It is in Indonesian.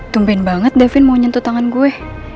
tumpin banget devin mau nyentuh tangan gue